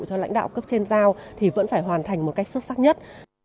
cho lãnh đạo cấp trên giao thì vẫn phải hoàn thành một cách xuất sắc nhất